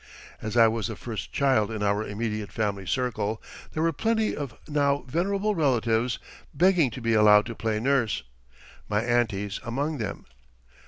As I was the first child in our immediate family circle, there were plenty of now venerable relatives begging to be allowed to play nurse, my aunties among them.